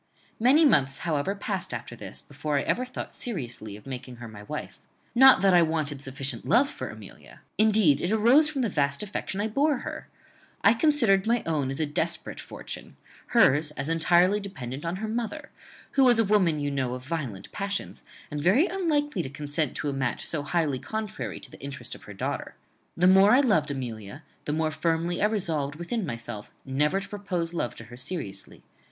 "Many months, however, passed after this, before I ever thought seriously of making her my wife. Not that I wanted sufficient love for Amelia. Indeed it arose from the vast affection I bore her. I considered my own as a desperate fortune, hers as entirely dependent on her mother, who was a woman, you know, of violent passions, and very unlikely to consent to a match so highly contrary to the interest of her daughter. The more I loved Amelia, the more firmly I resolved within myself never to propose love to her seriously.